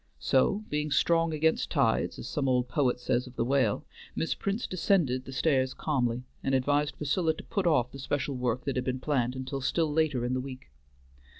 So, being strong against tides, as some old poet says of the whale, Miss Prince descended the stairs calmly, and advised Priscilla to put off the special work that had been planned until still later in the week.